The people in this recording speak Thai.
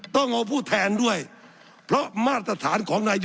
สับขาหลอกกันไปสับขาหลอกกันไป